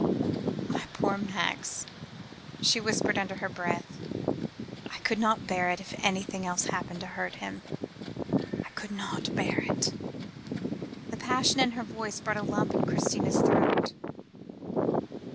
"My poor Max," she whispered under her breath. "I could not bear it if anything else happened to hurt him; I could not bear it." The passion in her voice brought a lump into Christina's throat.